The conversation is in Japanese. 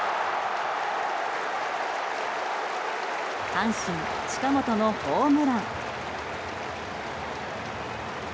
阪神、近本のホームラン。